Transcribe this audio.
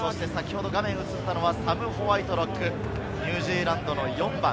サム・ホワイトロック、ニュージーランドの４番。